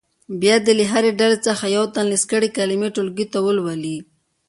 بیا دې له هرې ډلې څخه یو تن لیست کړې کلمې ټولګي ته ولولي.